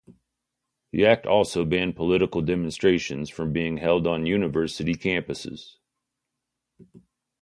The act also banned political demonstrations from being held on university campuses.